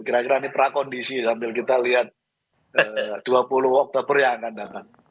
kira kira ini prakondisi sambil kita lihat dua puluh oktober yang akan datang